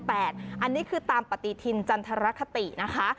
อันนี้คือตามปฏิทินจันทรคตินะคะ